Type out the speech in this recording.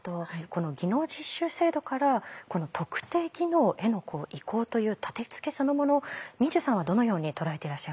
この技能実習制度から特定技能への移行という立てつけそのもの毛受さんはどのように捉えていらっしゃいますか？